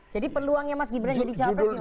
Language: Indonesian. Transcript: jadi peluangnya mas gibran jadi cawapres gimana